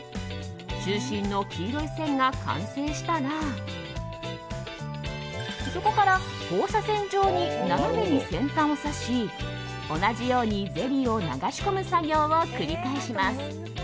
中心の黄色い線が完成したらそこから放射線状に斜めに先端を刺し同じように、ゼリーを流し込む作業を繰り返します。